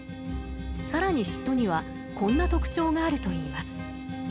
更に嫉妬にはこんな特徴があるといいます。